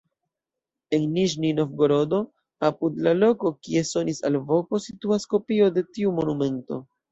En Niĵni-Novgorodo, apud la loko, kie sonis alvoko, situas kopio de tiu monumento.